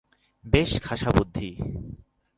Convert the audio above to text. বেশ খাসা বুদ্ধি!